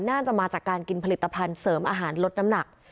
น่าจะมาจากการกินผลิตภัณฑ์เสริมอาหารลดน้ำหนัก